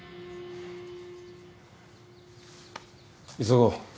急ごう。